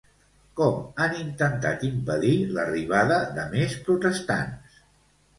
Com han intentat impedir l'arribada de més protestants?